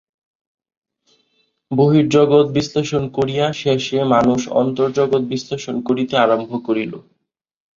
বহির্জগৎ বিশ্লেষণ করিয়া শেষে মানুষ অন্তর্জগৎ বিশ্লেষণ করিতে আরম্ভ করিল।